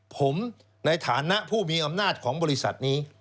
ผมในฐานะผู้มีอำนาจของบริษัทนี้